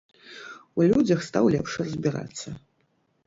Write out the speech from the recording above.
У людзях стаў лепш разбірацца.